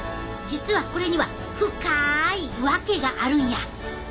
実はこれには深いわけがあるんや！